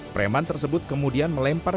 preman tersebut kemudian melempar